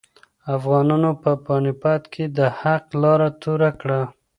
افغانانو په پاني پت کې د حق لاره توره کړه.